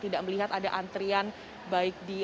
tidak melihat ada antrian baik di